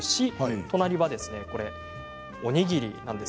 隣は、おにぎりです。